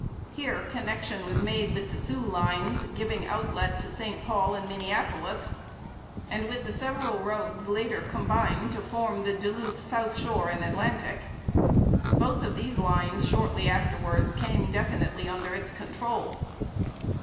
Here connection was made with the 'Soo' lines, giving outlet to St Paul and Minneapolis, and with the several roads later combined to form the Duluth, South Shore and Atlantic. Both of these lines shortly afterwards came definitely under its control.